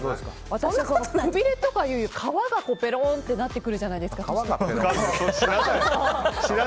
私、くびれというより皮がぺろーんってなってくるじゃないですか。